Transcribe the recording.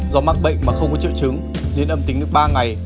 do mắc bệnh mà không có triệu chứng nên âm tính được ba ngày